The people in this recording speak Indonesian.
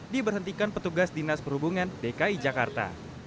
diberhentikan petugas dinas perhubungan dki jakarta